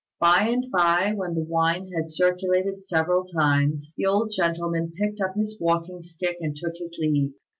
By and by, when the wine had circulated several times, the old gentleman picked up his walking stick and took his leave.